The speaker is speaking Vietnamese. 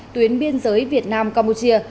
tuyến biên giới việt nam campuchia